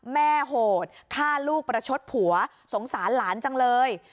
โหดฆ่าลูกประชดผัวสงสารหลานจังเลย